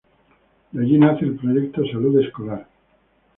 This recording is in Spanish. De allí nace el Proyecto "Salud Escolar.